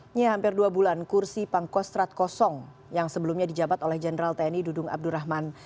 ini hampir dua bulan kursi pangkostrat kosong yang sebelumnya dijabat oleh jenderal tni dudung abdurrahman